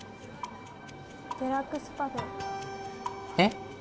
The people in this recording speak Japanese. デラックスパフェえっ？